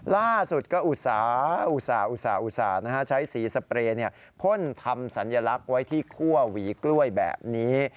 ล่าสุดก็อุตส่าหุ่นใช้สีสเปรย์พ่นทำสัญลักษณ์ไว้ที่คั่วหวีกล้วยแบบนี้